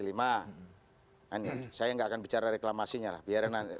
nah ini saya nggak akan bicara reklamasinya lah biarkan nanti